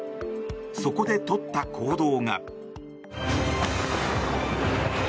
そこでとった行動が。